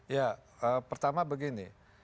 ya pertama begini